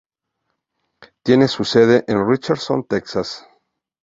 Tiene su sede en Richardson, Texas.